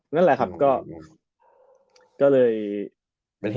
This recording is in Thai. นั่นแหละครับก็เลย